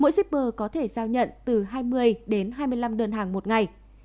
mỗi shipper có thể giao nhận từ hai mươi đến hai mươi năm đơn hàng một ngày